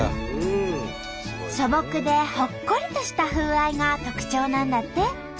素朴でほっこりとした風合いが特徴なんだって！